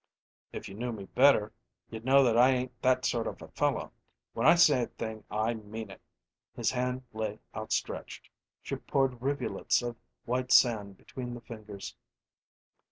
"If you knew me better you'd know that I ain't that sort of a fellow. When I say a thing I mean it." His hand lay outstretched; she poured rivulets of white sand between the fingers.